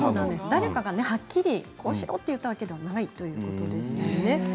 誰かがこうしろと言ったわけではないということなんです。